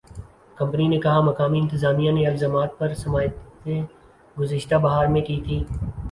company نے کہا مقامی انتظامیہ نے الزامات پر سماعتیں گذشتہ بہار میں کی تھیں